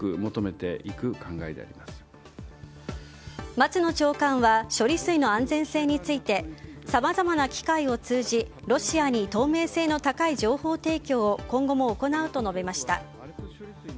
松野長官は処理水の安全性についてさまざまな機会を通じロシアに透明性の高い情報提供を今後も行うと述べました。